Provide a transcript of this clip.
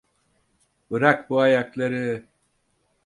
Bırak bu ayakları.